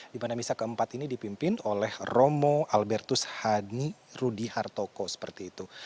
di mana misa keempat ini dipimpin oleh romo albertus hadi rudi hartoko seperti itu